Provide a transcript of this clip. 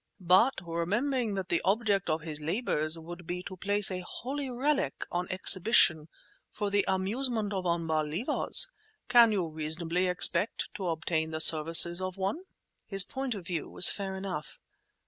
But remembering that the object of his labours would be to place a holy relic on exhibition for the amusement of unbelievers, can you reasonably expect to obtain the services of one?" His point of view was fair enough.